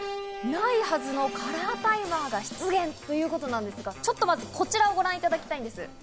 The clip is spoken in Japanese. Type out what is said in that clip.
ないはずのカラータイマーが出現ということなんですが、ちょっとまずこちらをご覧いただきたいんです。